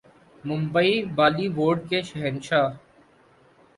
Mumbai Bollywood کے شہنشاہ